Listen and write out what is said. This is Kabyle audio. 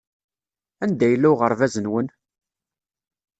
Anda yella uɣerbaz-nwen?